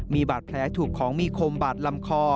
มีบาดแผลถูกของมีคมบาดลำคอ